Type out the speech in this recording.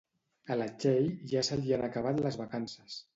A la Txell ja se li han acabat les vacances